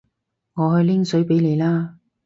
我去拎水畀你啦